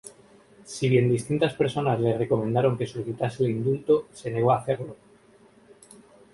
Si bien distintas personas le recomendaron que solicitase el indulto, se negó a hacerlo.